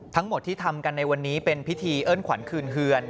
ทั้งหมดที่ทำกันในวันนี้เป็นพิธีเอิ้นขวัญคืนเฮือน